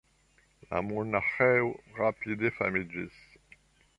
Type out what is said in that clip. La monaĥejo rapide famiĝis.